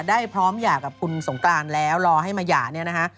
ได้พร้อมหย่ากับคุณสงกรานแล้วรอให้มาหย่าเนี่ยนะฮะ